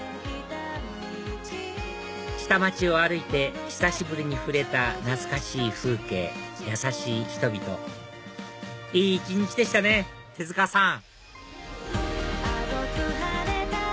下町を歩いて久しぶりに触れた懐かしい風景優しい人々いい一日でしたね手塚さん！